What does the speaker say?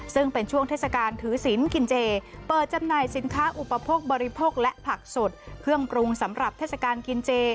ซึ่งเป็นช่วงเทศกาลถือศิลป์กินเจเปิดจำหน่ายสินค้าอุปโภคบริโภคและผักสดเครื่องปรุงสำหรับเทศกาลกินเจ